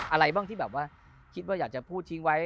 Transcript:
อะไรบ้างที่แบบว่าคิดว่าอยากจะพูดทิ้งไว้